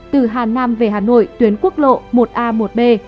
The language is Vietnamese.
từ hà nam về hà nội tuyến quốc lộ một a một b